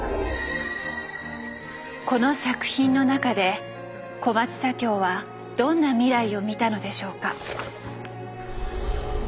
この作品の中で小松左京はどんな未来を見たのでしょうか？